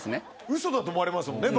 ウソだと思われますもんね